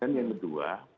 dan yang kedua